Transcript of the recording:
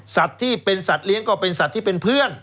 ที่เป็นสัตว์เลี้ยงก็เป็นสัตว์ที่เป็นเพื่อน